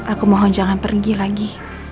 aku mohon jangan pergi lagi